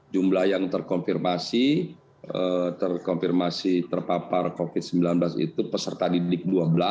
jumlah yang terkonfirmasi terkonfirmasi terpapar covid sembilan belas itu peserta didik dua belas